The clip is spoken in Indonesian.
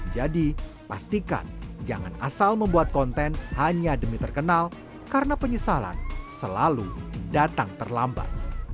jadi pastikan jangan asal membuat konten hanya demi terkenal karena penyesalan selalu datang terlambat